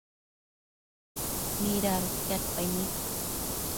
mida adotiadpaini